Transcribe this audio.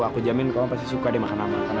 aku jamin kamu pasti suka deh makan sama